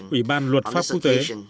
ủy ban luật pháp phú tế